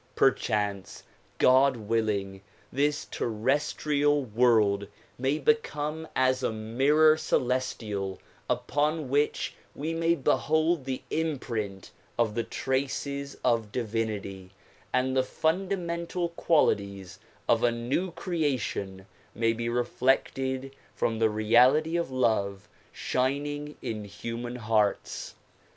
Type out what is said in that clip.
Perchance, God willing, this terrestrial world may become as a mirror celestial upon which we may behold the imprint of the traces of divinity and the fundamental qualities of a new creation may be reflected from the reality of love shining in human hearts.